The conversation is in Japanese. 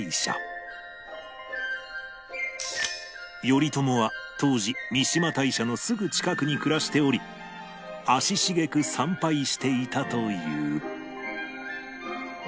頼朝は当時三嶋大社のすぐ近くに暮らしており足しげく参拝していたという